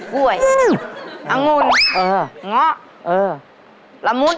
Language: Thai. ก้วยอังุณเงาะระมุด